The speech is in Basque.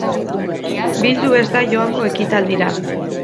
Bildu ez da joango ekitaldira.